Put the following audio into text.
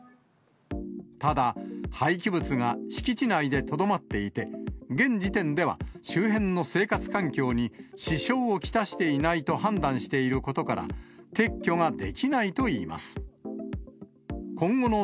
ただ、廃棄物が敷地内でとどまっていて、現時点では周辺の生活環境に支障を来していないと判断していることから、撤去ができないといいます。